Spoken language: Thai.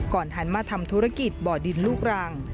หันมาทำธุรกิจบ่อดินลูกรัง